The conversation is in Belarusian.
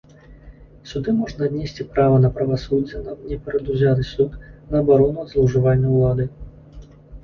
Сюды можна аднесці права на правасуддзе, на непрадузяты суд, на абарону ад злоўжывання ўладай.